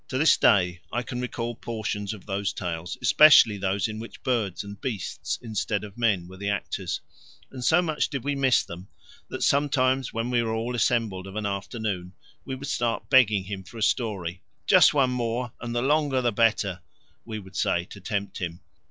To this day I can recall portions of those tales, especially those in which birds and beasts instead of men were the actors, and so much did we miss them that sometimes when we were all assembled of an afternoon we would start begging him for a story "just one more, and the longer the better," we would say to tempt him.